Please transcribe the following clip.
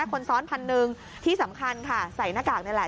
คนซ้อนพันหนึ่งที่สำคัญค่ะใส่หน้ากากนี่แหละ